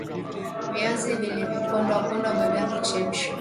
viazi vilivyopondwa pondwa baada ya kuchemshwa